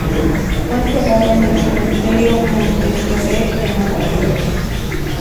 Fue enterrado en el Cementerio Montefiore de Nueva York.